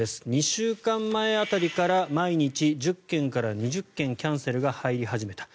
２週間前辺りから毎日１０件から２０件キャンセルが入り始めた。